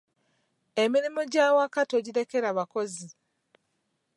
Emirimu gy’awaka togirekera bakozi.